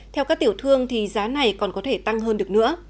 theo các tiểu thương thì giá này còn có thể tăng hơn được nữa